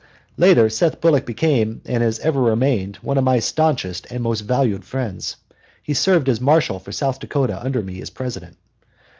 Later Seth Bullock became, and has ever since remained, one of my stanchest and most valued friends. He served as Marshal for South Dakota under me as President.